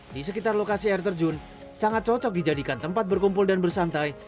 di sekitar lokasi air terjun sangat cocok dijadikan tempat berkumpul dan bersantai